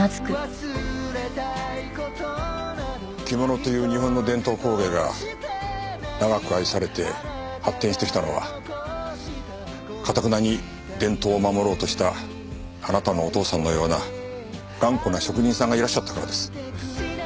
着物という日本の伝統工芸が長く愛されて発展してきたのはかたくなに伝統を守ろうとしたあなたのお父さんのような頑固な職人さんがいらっしゃったからです。